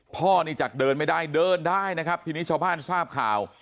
พ่อนี่จากเดินไม่ได้เดินได้นะครับทีนี้ชาวบ้านทราบข่าว